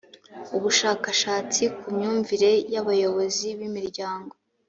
ubushakashatsi ku myumvire y abayobozi b imiryango